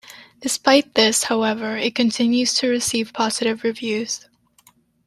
Despite this, however, it continues to receive positive reviews.